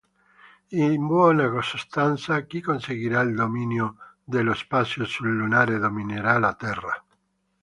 In buona sostanza: chi conseguirà il dominio dello spazio sub lunare dominerà la terra.